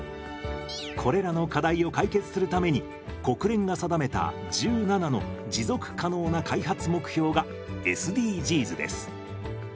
これらの課題を解決するために国連が定めた１７の持続可能な開発目標がＳＤＧｓです。